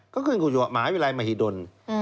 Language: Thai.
ก็ขึ้นกับหมาวิรัยมหิดล